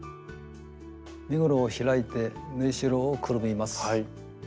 身ごろを開いて縫いしろをくるみます。